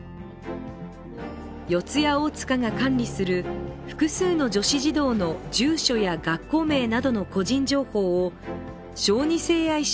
四谷大塚が管理する複数の女子児童の住所や学校名などの個人情報を小児性愛者